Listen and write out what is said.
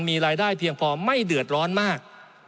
มีรายได้เพียงพอไม่เดือดร้อนมาก